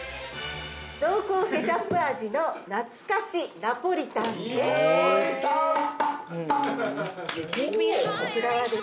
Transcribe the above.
◆「濃厚ケチャップ味のなつかしナポリタン」です。